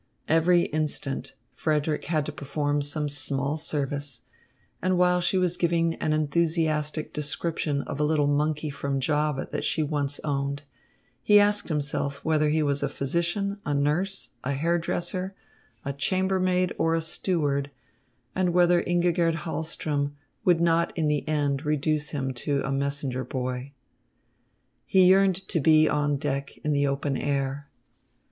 Every instant Frederick had to perform some small service, and while she was giving an enthusiastic description of a little monkey from Java that she had once owned, he asked himself whether he was a physician, a nurse, a hairdresser, a chambermaid, or a steward, and whether Ingigerd Hahlström would not in the end reduce him to a messenger boy. He yearned to be on deck in the open air.